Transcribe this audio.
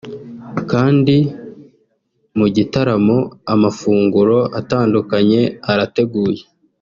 kandi mu gitaramo amafunguro atandukanye arateguye